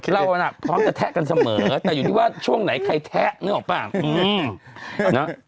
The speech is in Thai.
เราน่ะพร้อมจะแทะกันเสมอแต่อยู่ที่ว่าช่วงไหนใครแทะนึกออกป่ะ